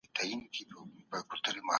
په ناحقه د بل چا شتمني مه غصبوئ.